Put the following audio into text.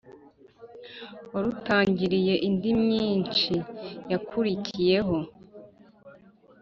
warutangiriye indi myinshi yakurikiyeho.